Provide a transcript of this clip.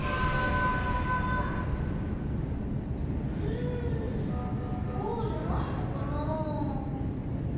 うんこうじゃないのかな？